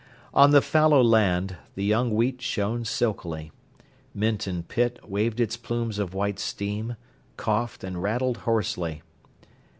On the fallow land the young wheat shone silkily. Minton pit waved its plumes of white steam, coughed, and rattled hoarsely.